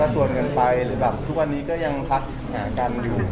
ส่วนกันไปหรือแบบทุกวันนี้ก็ยังพักหากันอยู่